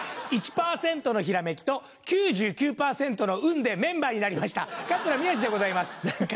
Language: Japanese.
１％のひらめきと９９％の運でメンバーになりました桂宮治でございます。